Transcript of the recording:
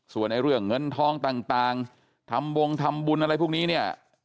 ส่วนเรื่องเงินทองต่างทำบงทำบุญอะไรพวกนี้เนี่ย